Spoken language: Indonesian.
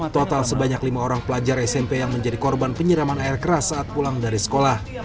total sebanyak lima orang pelajar smp yang menjadi korban penyiraman air keras saat pulang dari sekolah